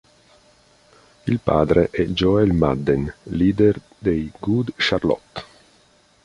Il padre è Joel Madden, leader dei Good Charlotte.